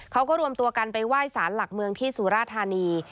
เขาก็รวมตัวกันไปไหว้สารหลักเมืองที่สุราธานี